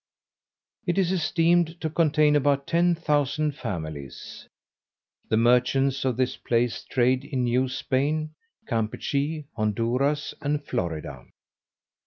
It is esteemed to contain about ten thousand families. The merchants of this place trade in New Spain, Campechy, Honduras, and Florida.